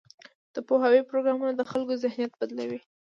د پوهاوي پروګرامونه د خلکو ذهنیت بدلوي.